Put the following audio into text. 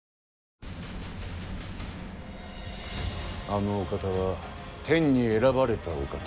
あのお方は天に選ばれたお方。